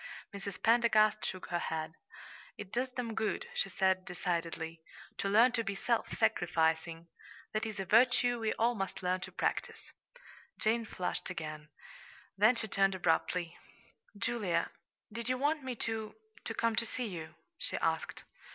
Mrs. Pendergast shook her head. "It does them good," she said decidedly, "to learn to be self sacrificing. That is a virtue we all must learn to practice." Jane flushed again; then she turned abruptly. "Julia, did you want me to to come to see you?" she asked.